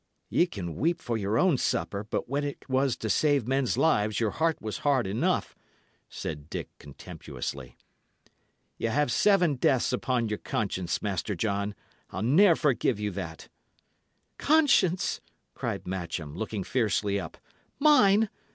"Ye can weep for your own supper, but when it was to save men's lives, your heart was hard enough," said Dick, contemptuously. "Y' 'ave seven deaths upon your conscience, Master John; I'll ne'er forgive you that." "Conscience!" cried Matcham, looking fiercely up. "Mine!